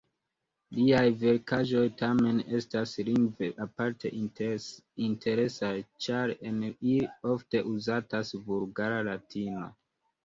Liaj verkaĵoj tamen estas lingve aparte interesaj, ĉar en ili ofte uzatas vulgara latino.